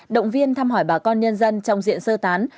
động viên thăm hỏi bà con nhân dân trong diện sơ tán